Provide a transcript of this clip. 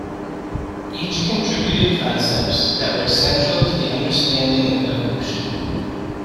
Each contributed concepts that were essential to the understanding of evolution.